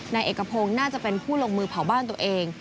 นายเอกพงศ์น่าจะเป็นผู้ลงมือเผาบ้านตัวเอง